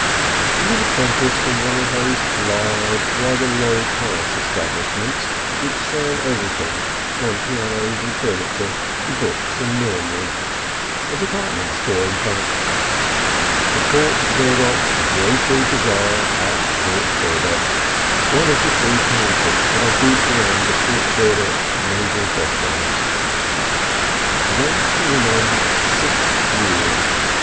He was apprenticed in one of those large, rather low class establishments which sell everything, from pianos and furniture to books and millinery, a department store in fact, The Port Burdock Drapery Bazaar at Port Burdock, one of the three townships that are grouped around the Port Burdock naval dockyards. There he remained six years.